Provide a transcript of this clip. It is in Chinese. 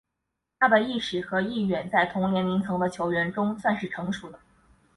他的意识和意愿在同年龄层的球员中算是成熟的。